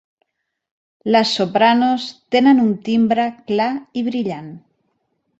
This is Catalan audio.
Les sopranos tenen un timbre clar i brillant.